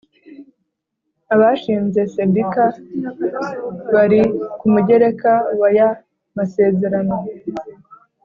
Abashinze Sendika bari ku mugereka waya masezerano